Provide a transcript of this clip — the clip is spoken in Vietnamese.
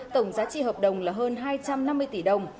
tổng giá trị hợp đồng là hơn hai trăm năm mươi tỷ đồng